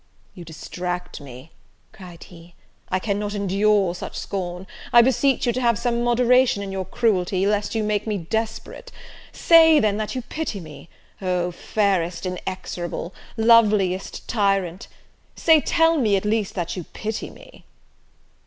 "You distract me," cried he, "I cannot endure such scorn; I beseech you to have some moderation in your cruelty, lest you make me desperate: say, then, that you pity me, O fairest inexorable! loveliest tyrant! say, tell me, at least, that you pity me!"